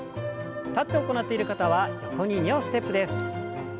立って行っている方は横に２歩ステップです。